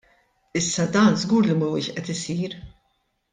Issa dan żgur li mhuwiex qed isir.